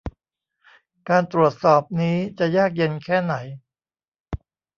การตรวจสอบนี้จะยากเย็นแค่ไหน ?